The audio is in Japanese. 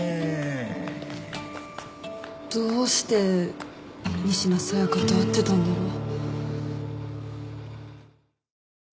どうして仁科紗耶香と会ってたんだろう？